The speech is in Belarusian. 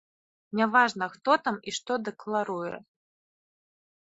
Няважна, хто там і што дэкларуе.